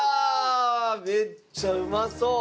めっちゃうまそう。